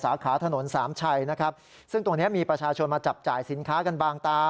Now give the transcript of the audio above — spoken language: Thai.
สาขาถนนสามชัยนะครับซึ่งตรงเนี้ยมีประชาชนมาจับจ่ายสินค้ากันบางตา